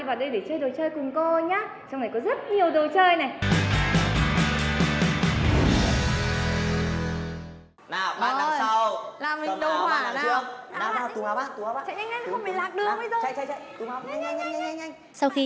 cô sẽ kể chuyện cho các con trong lúc mà đợi chú vương anh lấy đồ ăn nhé